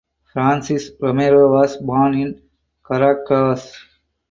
Francis Romero was born in Caracas.